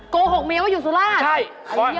กโหกแมวว่าอยู่สุราชใช่โอ้โฮ